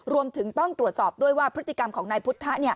รวมถึงต้องตรวจสอบด้วยว่าพฤติกรรมของนายพุทธะ